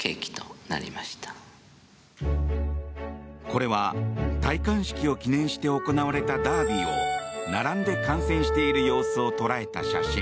これは、戴冠式を記念して行われたダービーを並んで観戦している様子を捉えた写真。